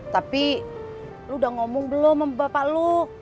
tapi lu udah ngomong belum bapak lu